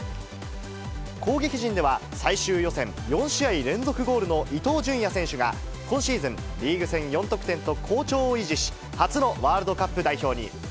攻撃陣では、最終予選４試合連続ゴールの伊東純也選手が今シーズン、リーグ戦４得点と好調を維持し、初のワールドカップ代表に。